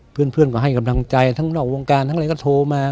เพื่อนก็ให้กำลังใจทั้งนอกวงการทั้งอะไรก็โทรมา